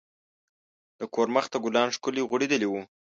د کور مخ ته ګلان ښکلي غوړیدلي وو.